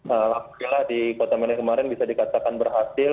alhamdulillah di kota medan kemarin bisa dikatakan berhasil